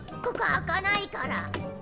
ここ開かないから。